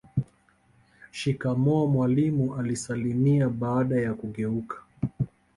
shikamoo mwalimu alisalimia baada ya kugeuka